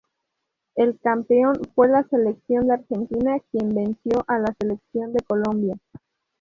El campeón fue la Selección de Argentina quien venció a la Selección de Colombia.